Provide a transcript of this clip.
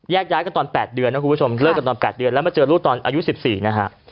ย้ายกันตอน๘เดือนนะคุณผู้ชมเลิกกันตอน๘เดือนแล้วมาเจอลูกตอนอายุ๑๔นะฮะ